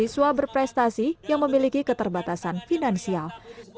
siswa berprestasi yang memiliki keterbatasan finansial